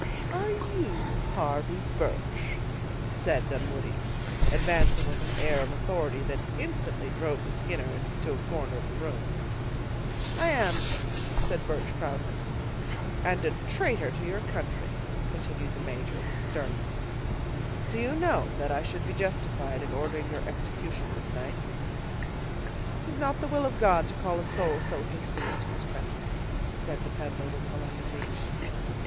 "Are you Harvey Birch?" said Dunwoodie, advancing with an air of authority that instantly drove the Skinner to a corner of the room. "I am," said Birch, proudly. "And a traitor to your country," continued the major, with sternness. "Do you know that I should be justified in ordering your execution this night?" "'Tis not the will of God to call a soul so hastily to His presence," said the peddler with solemnity.